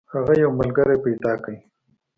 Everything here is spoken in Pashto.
هغه یو ملګری پیدا کړ.